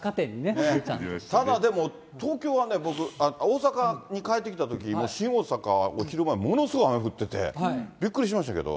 ただ、でも、東京はね、僕、大阪に帰ってきたとき、新大阪、お昼前、ものすごい雨降ってて、びっくりしましたけど。